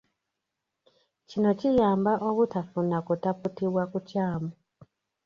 Kino kiyamba obutafuna kutaputibwa kukyamu.